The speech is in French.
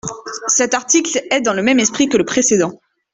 Cet article est dans le même esprit que le précédent.